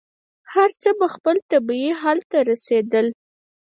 هر څه به خپل طبعي حل ته رسېدل.